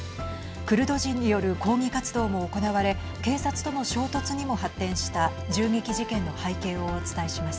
クルド人による抗議活動も行われ警察との衝突にも発展した銃撃事件の背景をお伝えします。